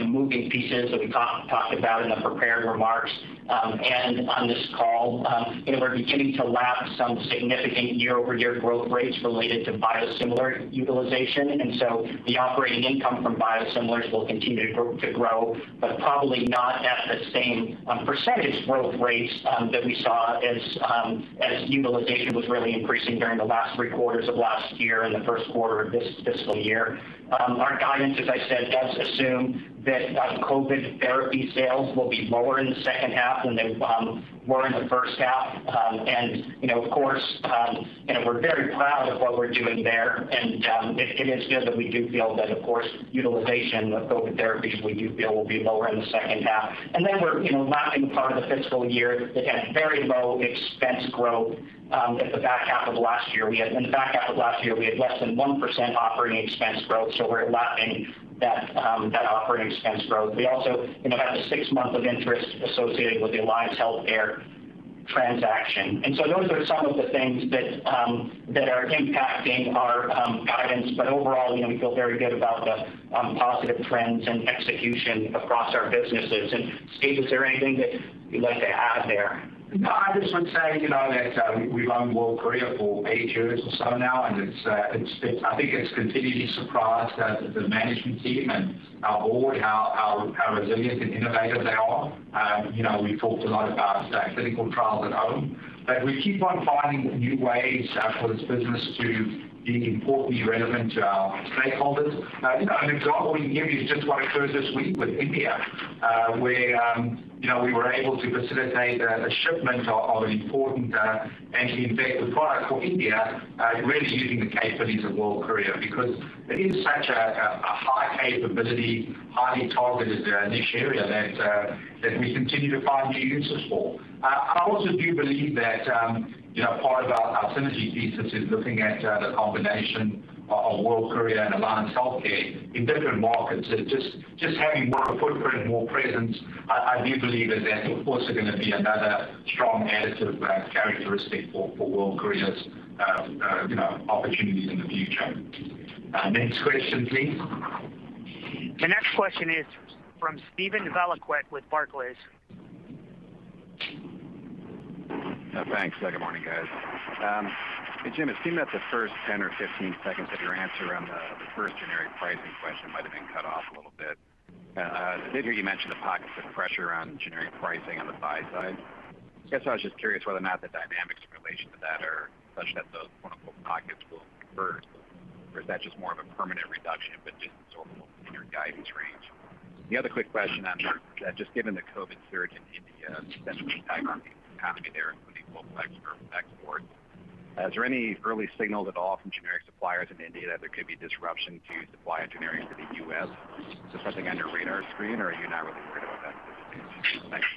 D: moving pieces that we talked about in the prepared remarks and on this call. We're beginning to lap some significant year-over-year growth rates related to biosimilar utilization, and so the operating income from biosimilars will continue to grow, but probably not at the same percentage growth rates that we saw as utilization was really increasing during the last three quarters of last year and the first quarter of this fiscal year. Our guidance, as I said, does assume that COVID therapy sales will be lower in the second half than they were in the first half. Of course, we're very proud of what we're doing there, and it is good that we do feel that, of course, utilization of COVID therapies, we do feel, will be lower in the second half. We're lapping part of the fiscal year that had very low expense growth in the back half of last year. In the back half of last year, we had less than 1% operating expense growth. We're lapping that operating expense growth. We also have the six months of interest associated with the Alliance Healthcare transaction. Those are some of the things that are impacting our guidance. Overall, we feel very good about the positive trends and execution across our businesses. Steve, is there anything that you'd like to add there?
C: I just would say that we've owned World Courier for eight years or so now, and I think it's continually surprised the management team and our board how resilient and innovative they are. We've talked a lot about clinical trials at home, we keep on finding new ways for this business to be importantly relevant to our stakeholders. An example we can give you is just what occurred this week with India, where we were able to facilitate a shipment of an important anti-infective product for India, really using the capabilities of World Courier because it is such a high capability, highly targeted niche area that we continue to find new uses for. I also do believe that part of our synergy thesis is looking at the combination of World Courier and Alliance Healthcare in different markets and just having more footprint, more presence. I do believe that that, of course, is going to be another strong additive characteristic for World Courier's opportunities in the future. Next question please.
A: The next question is from Steven Valiquette with Barclays.
L: Thanks. Good morning, guys. Hey, Jim, it seemed that the first 10 or 15 seconds of your answer on the first generic pricing question might have been cut off a little bit. I did hear you mention the pockets of pressure around generic pricing on the buy side. I guess I was just curious whether or not the dynamics in relation to that are such that those, quote unquote, "pockets" will convert, or is that just more of a permanent reduction but just absorbable in your guidance range? The other quick question on just given the COVID surge in India, the impact on the capacity there, including complex export, is there any early signal at all from generic suppliers in India that there could be disruption to supply of generics to the U.S.? Is this something on your radar screen, or are you not really worried about that at this stage? Thanks.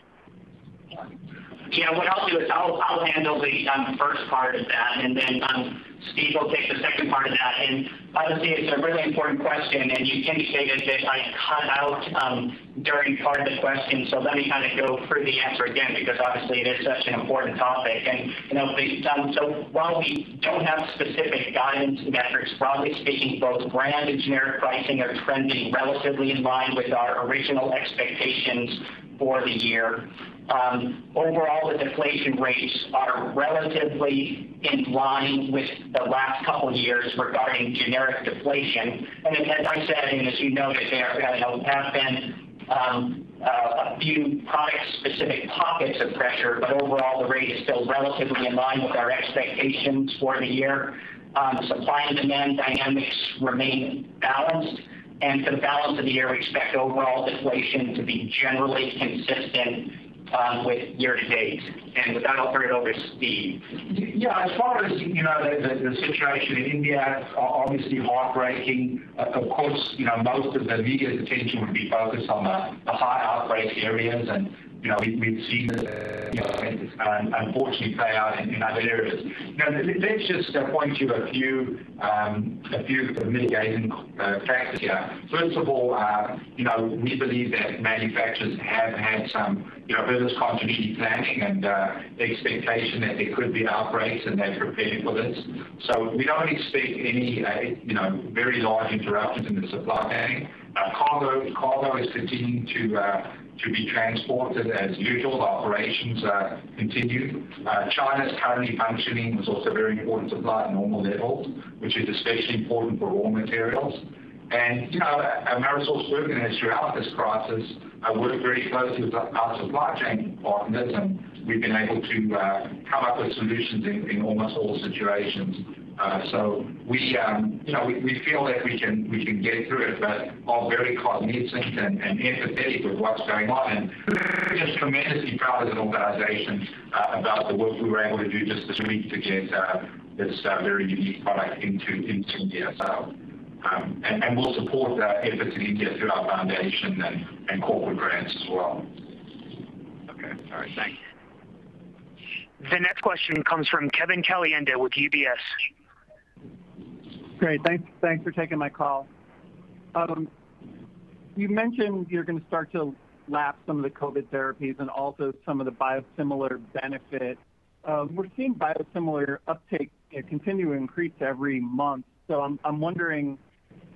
D: Yeah. What I'll do is I'll handle the first part of that, and then Steve will take the second part of that. Honestly, it's a really important question, and you indicated that I cut out during part of the question. Let me kind of go through the answer again, because obviously it is such an important topic. While we don't have specific guidance metrics, broadly speaking, both brand and generic pricing are trending relatively in line with our original expectations for the year. Overall, the deflation rates are relatively in line with the last couple of years regarding generic deflation. As I said, and as you know, that there have been a few product-specific pockets of pressure, but overall, the rate is still relatively in line with our expectations for the year. Supply and demand dynamics remain balanced, for the balance of the year, we expect overall deflation to be generally consistent with year to date. With that, I'll turn it over to Steve.
C: Yeah. As far as the situation in India, obviously heartbreaking. Of course, most of the media's attention would be focused on the high outbreak areas, and we've seen the unfortunate play out in other areas. Let's just point to a few mitigating factors here. First of all, we believe that manufacturers have had some business continuity planning and the expectation that there could be outbreaks, and they've prepared for this. We don't expect any very large interruptions in the supply chain. Cargo is continuing to be transported as usual. Operations continue. China's currently functioning with also very important supply at normal levels, which is especially important for raw materials. AmerisourceBergen has, throughout this crisis, worked very closely with our supply chain partners, and we've been able to come up with solutions in almost all situations. We feel that we can get through it, but are very cognizant and empathetic of what's going on, and just tremendously proud as an organization about the work we were able to do just this week to get this very unique product into DSL. We'll support that effort to India through our foundation and corporate grants as well.
L: Okay. All right. Thanks.
A: The next question comes from Kevin Caliendo with UBS.
M: Great. Thanks for taking my call. You mentioned you're going to start to lap some of the COVID-19 therapies and also some of the biosimilar benefit. We're seeing biosimilar uptake continue to increase every month. I'm wondering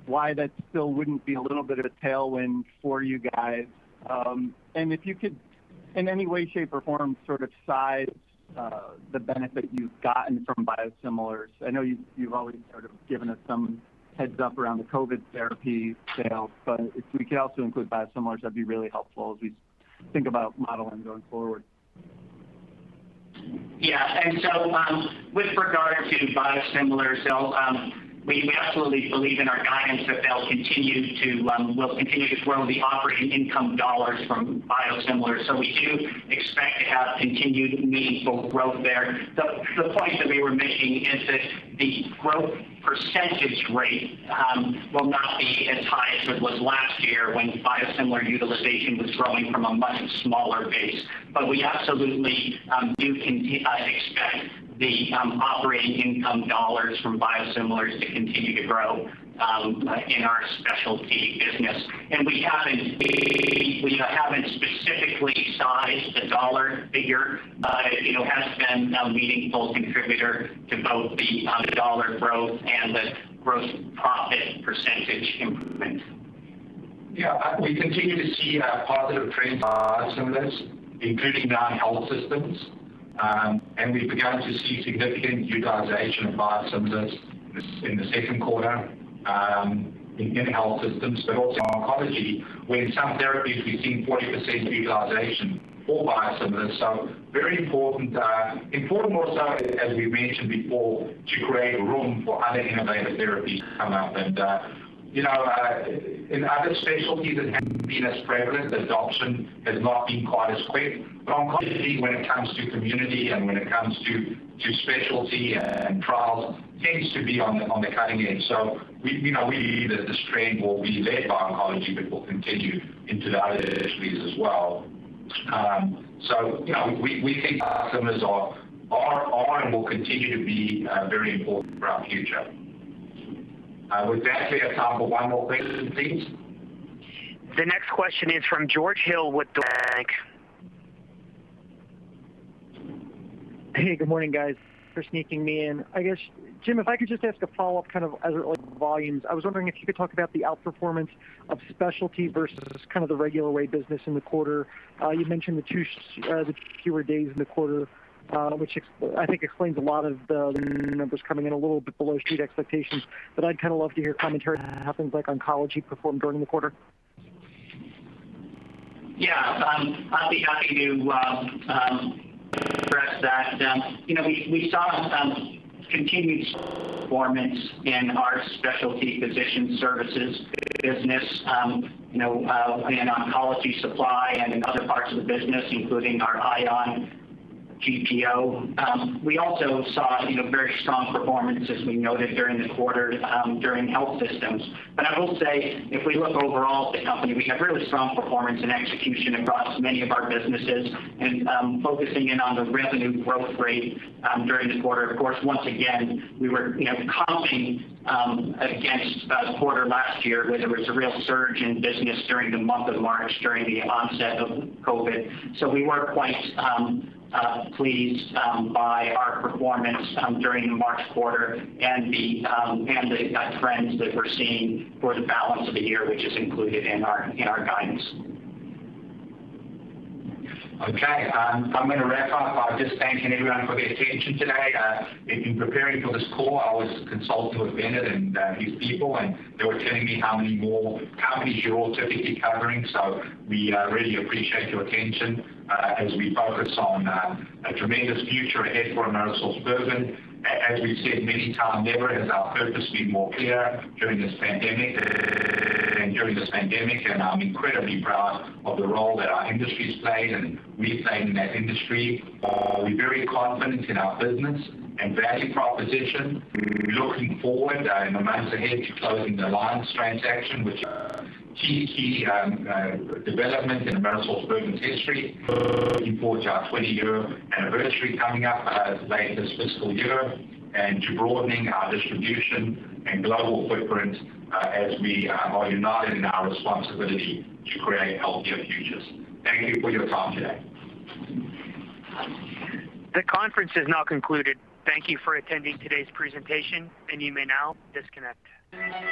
M: why that still wouldn't be a little bit of a tailwind for you guys. If you could in any way, shape, or form sort of size the benefit you've gotten from biosimilars. I know you've always sort of given us some heads up around the COVID-19 therapy sales, if we could also include biosimilars, that'd be really helpful as we think about modeling going forward.
D: Yeah. With regard to biosimilars, we absolutely believe in our guidance that we'll continue to grow the operating income dollars from biosimilars. We do expect to have continued meaningful growth there. The point that we were making is that the growth percentage rate will not be as high as it was last year when biosimilar utilization was growing from a much smaller base. We absolutely do expect the operating income dollars from biosimilars to continue to grow in our specialty business. We haven't specifically sized the dollar figure. It has been a meaningful contributor to both the dollar growth and the gross profit percentage improvement.
C: Yeah. We continue to see positive trends in biosimilars, including now in health systems. We've begun to see significant utilization of biosimilars in the second quarter in health systems, but also oncology, where in some therapies we've seen 40% utilization for biosimilars, so very important. Important also, as we mentioned before, to create room for other innovative therapies to come up. In other specialties, it hasn't been as prevalent. The adoption has not been quite as quick. Oncology, when it comes to community and when it comes to specialty and trials, tends to be on the cutting edge. We believe that this trend will be led by oncology, but will continue into the other specialties as well. We think biosimilars are and will continue to be very important for our future. With that, we have time for one more question, please.
A: The next question is from George Hill with Deutsche Bank.
N: Hey, good morning, guys. Thanks for sneaking me in. I guess, Jim, if I could just ask a follow-up kind of as it relates to volumes. I was wondering if you could talk about the outperformance of specialty versus kind of the regular way business in the quarter. You mentioned the two fewer days in the quarter, which I think explains a lot of the numbers coming in a little bit below street expectations. I'd kind of love to hear commentary on how things like oncology performed during the quarter.
D: I'd be happy to address that. We saw continued performance in our specialty physician services business, in oncology supply, and in other parts of the business, including our ION GPO. We also saw very strong performance, as we noted during the quarter, during health systems. I will say, if we look overall at the company, we have really strong performance and execution across many of our businesses. Focusing in on the revenue growth rate during the quarter, of course, once again, we were comparing against the quarter last year, where there was a real surge in business during the month of March, during the onset of COVID. We were quite pleased by our performance during the March quarter and the trends that we're seeing for the balance of the year, which is included in our guidance.
C: Okay. I'm going to wrap up by just thanking everyone for their attention today. In preparing for this call, I was consulting with Bennett and his people, and they were telling me how many more companies you're all typically covering. We really appreciate your attention as we focus on a tremendous future ahead for AmerisourceBergen. As we've said many times, never has our purpose been more clear during this pandemic. I'm incredibly proud of the role that our industry's played and we've played in that industry. We're very confident in our business and value proposition. We're looking forward in the months ahead to closing the Alliance transaction, which is a key development in AmerisourceBergen's history. We're looking forward to our 20-year anniversary coming up later this fiscal year and to broadening our distribution and global footprint as we are united in our responsibility to create healthier futures. Thank you for your time today.
A: The conference is now concluded. Thank you for attending today's presentation, and you may now disconnect.